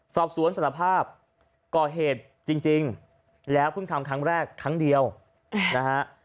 สารภาพก่อเหตุจริงแล้วเพิ่งทำครั้งแรกครั้งเดียวนะฮะ